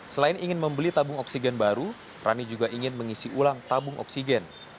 selain ingin membeli tabung oksigen baru rani juga ingin mengisi ulang tabung oksigen